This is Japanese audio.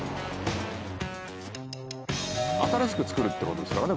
新しく造るって事ですからね